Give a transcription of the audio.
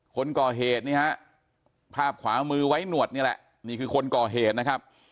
คนก่อเหตุนี่ฮะภาพขวามือไว้หนวดนี่แหละนี่คือคนก่อเหตุนะครับ